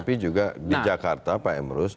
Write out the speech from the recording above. tapi juga di jakarta pak emrus